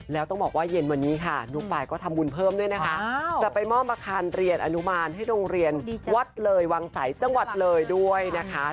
แล้วต้องบอกว่าเย็นวันนี้ค่ะทุกฝ่ายก็ทำบุญเพิ่มด้วยนะคะจะไปมอบอาคารเรียนอนุมานให้โรงเรียนวัดเลยวังใสจังหวัดเลยด้วยนะคะ